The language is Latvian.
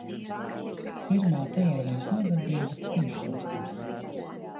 Pirmā teorijas nodarbība tiešsaistē.